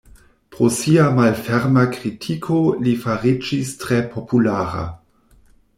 Pro sia malferma kritiko li fariĝis tre populara.